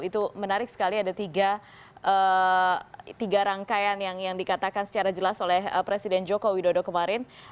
itu menarik sekali ada tiga rangkaian yang dikatakan secara jelas oleh presiden joko widodo kemarin